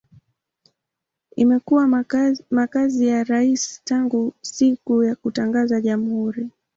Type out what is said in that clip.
Imekuwa makazi ya rais tangu siku ya kutangaza jamhuri.